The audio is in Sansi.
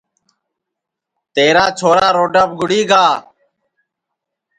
تیرا چھورا روڈاپ گُڑی گا